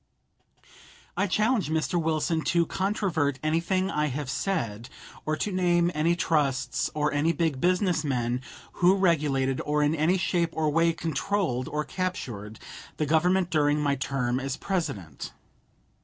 I challenge Mr. Wilson to controvert anything I have said, or to name any trusts or any big business men who regulated, or in any shape or way controlled, or captured, the Government during my term as President.